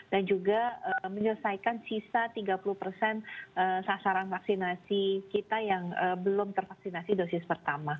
dan juga menyelesaikan sisa tiga puluh sasaran vaksinasi kita yang belum tervaksinasi dosis pertama